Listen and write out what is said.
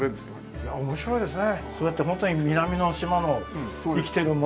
いや面白いですね。